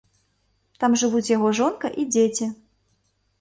Там жывуць яго жонка і дзеці.